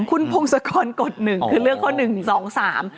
คุณพงศกรกฎหนึ่งคือเรื่องข้อหนึ่งสองสาม